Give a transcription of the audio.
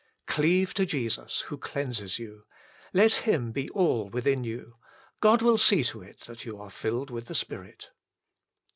Cleave to Jesus, who cleanses you : let Him be all within you ; God will see to it that you are filled with the Spirit.